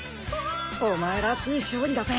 お前らしい勝利だぜ。